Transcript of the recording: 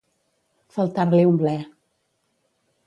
Faltar-li un ble.